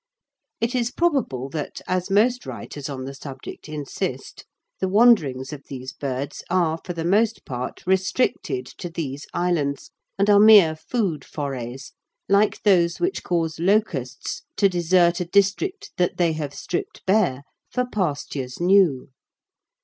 It is probable that, as most writers on the subject insist, the wanderings of these birds are for the most part restricted to these islands and are mere food forays, like those which cause locusts to desert a district that they have stripped bare for pastures new.